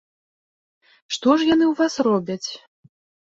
Што ж яны ў вас робяць?